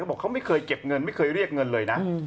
บอกเขาไม่เคยเก็บเงินไม่เคยเรียกเงินเลยนะ